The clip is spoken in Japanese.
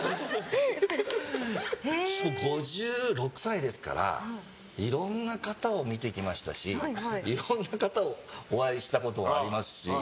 ５６歳ですからいろんな方を見てきましたしいろんな方にお会いしたことがありますし。